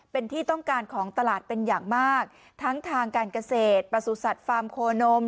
เป็นที่ต้องการของตลาดเป็นอย่างมากทั้งทางการเกษตรประสุทธิ์สัตว์ฟาร์มโคนม